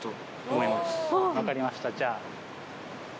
分かりましたじゃあ。